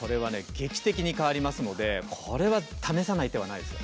劇的に変わりますのでこれは試さない手はないですよ。